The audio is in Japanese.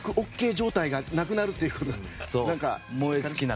状態がなくなるっていうふうな。